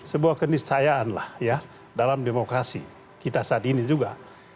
sebuah keniscayaan lah ya dalam demokrasi kita saat ini juga